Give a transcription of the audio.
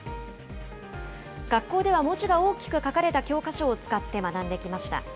学校では文字が大きく書かれた教科書を使って学んできました。